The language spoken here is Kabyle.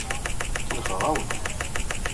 Kellxeɣ-awen.